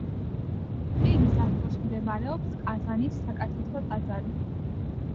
ხიდის ახლოს მდებარეობს ყაზანის საკათედრო ტაძარი.